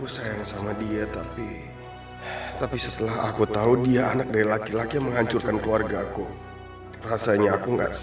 sampai jumpa di video selanjutnya